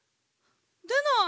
出ない。